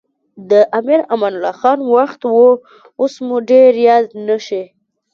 د امیر امان الله خان وخت و اوس مو ډېر یاد نه شي.